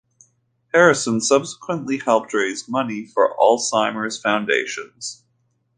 Harrison subsequently helped raise money for Alzheimer foundations.